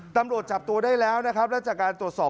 ตำรวจจับตัวได้แล้วนะครับแล้วจากการตรวจสอบ